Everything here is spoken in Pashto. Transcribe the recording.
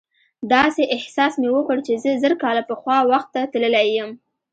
داسې احساس مې وکړ چې زه زر کاله پخوا وخت ته تللی یم.